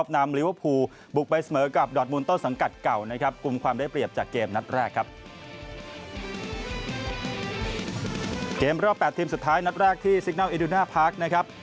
ในรอบ๘ทีมสุดท้ายนะครับ